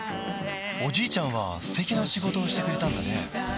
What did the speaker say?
おじいちゃんは素敵な仕事をしてくれたんだね